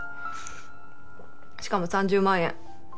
しかも３０万円。